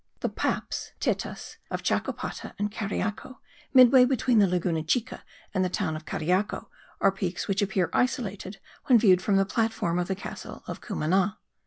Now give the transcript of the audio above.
The Paps (tetas) of Chacopata and Cariaco, midway between the Laguna Chica and the town of Cariaco, are peaks which appear isolated when viewed from the platform of the castle of Cumana.